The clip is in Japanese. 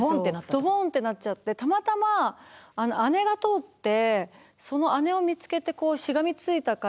ドボンってなっちゃってたまたま姉が通ってその姉を見つけてしがみついたから助かったんですけど。